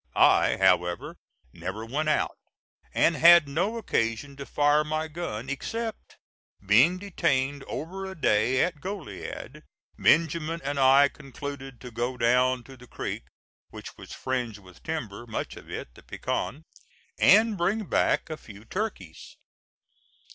I, however, never went out, and had no occasion to fire my gun; except, being detained over a day at Goliad, Benjamin and I concluded to go down to the creek which was fringed with timber, much of it the pecan and bring back a few turkeys.